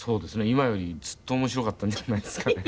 今よりずっと面白かったんじゃないですかね。